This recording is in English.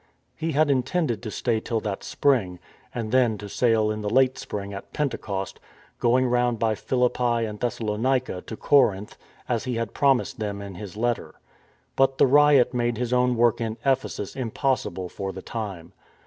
He had intended to stay till that spring, and then to sail in the late spring at Pentecost,^ going round by Philippi and Thessalonica to Corinth, as he had promised them in his letter. But the riot made his own work in Ephesus impossible for the time.